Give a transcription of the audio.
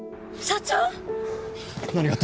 社長！